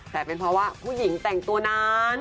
แต่เป็นเพราะว่าผู้หญิงแต่งตัวนั้น